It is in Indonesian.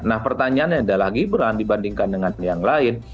nah pertanyaannya adalah gibran dibandingkan dengan yang lain